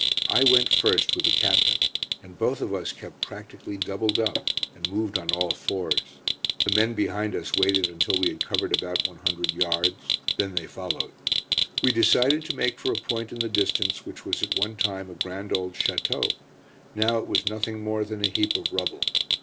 I went first with the Captain, and both of us kept practically doubled up, and moved on all fours. The men behind us waited until we had covered about one hundred yards, then they followed. We decided to make for a point in the distance which was at one time a grand old château. Now it was nothing more than a heap of rubble.